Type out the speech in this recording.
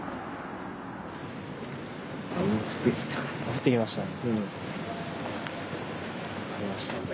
降ってきましたね。